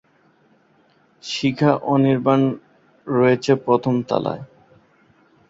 শিখা অনির্বাণ রয়েছে প্রথম তলায়।